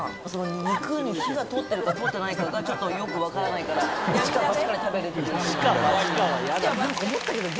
肉に火が通ってるか、通ってないかがちょっとよく分からないから、一か八かで食べるけど。